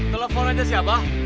telepon aja si abah